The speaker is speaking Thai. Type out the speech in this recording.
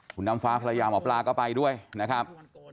คุณน้ำฟ้าภรรยาหมอปลาก็ไปด้วยนะครับ